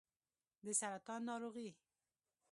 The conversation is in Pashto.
د سرطان ناروغي